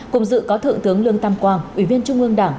cùng dự có thượng tướng lương tam quang ủy viên trung ương đảng